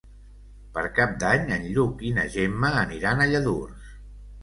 Per Cap d'Any en Lluc i na Gemma aniran a Lladurs.